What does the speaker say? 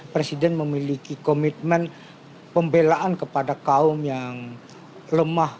presiden memiliki komitmen pembelaan kepada kaum yang lemah